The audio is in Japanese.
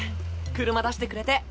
車出してくれて。